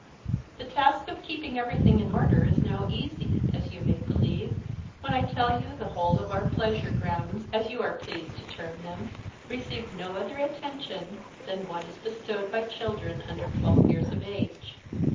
The task of keeping everything n order is now easy, as you may believe, when I tell you the whole of our pleasure grounds, as you are pleased to term them, receive no other attention than what is bestowed by children under twelve years of age.